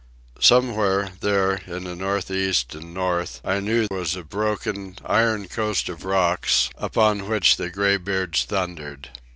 Somewhere, there, in the north east and north, I knew was a broken, iron coast of rocks upon which the graybeards thundered.